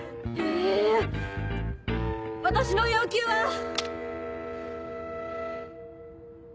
え私の要求は。